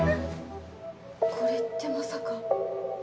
これってまさか。